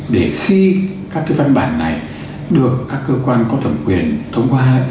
để khi các cái văn bản này được các cơ quan có thẩm quyền thông qua